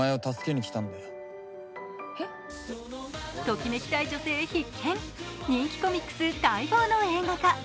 ときめきたい女性必見人気コミックス待望の映画化。